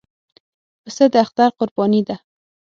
پسه د اختر قرباني ده.